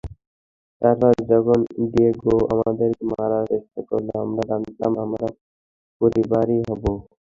তারপর যখন ডিয়েগো আমাদেরকে মারার চেষ্টা করল, আমরা জানতাম, আমরা পরিবারই হব।